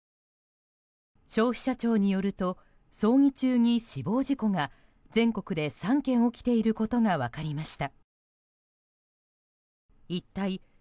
消費者庁によると葬儀中に死亡事故が全国で３件起きていることが分かりました。